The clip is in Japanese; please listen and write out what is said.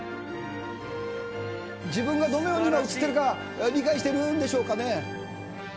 自分が今、どのように映っているか、理解してるんでしょうかね。